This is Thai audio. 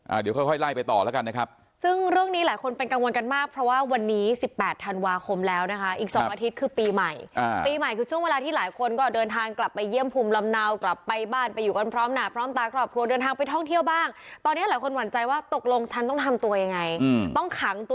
เดี๋ยวค่อยค่อยไล่ไปต่อแล้วกันนะครับซึ่งเรื่องนี้หลายคนเป็นกังวลกันมากเพราะว่าวันนี้สิบแปดธันวาคมแล้วนะคะอีกสองอาทิตย์คือปีใหม่อ่าปีใหม่คือช่วงเวลาที่หลายคนก็เดินทางกลับไปเยี่ยมภูมิลำเนากลับไปบ้านไปอยู่กันพร้อมหนาพร้อมตาครอบครัวเดินทางไปท่องเที่ยวบ้างตอนนี้หลายคนหวั่นใจว่าตกลงฉันต้องทำตัวยังไงอืมต้องขังตัว